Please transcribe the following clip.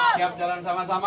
siap jalan sama sama